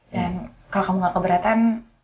dan kalau kamu gak keberatan